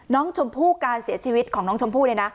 น้องชมพู่การเสียชีวิตของน้องชมพู่เนี่ยนะ